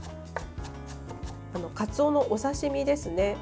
かつおのお刺身ですね。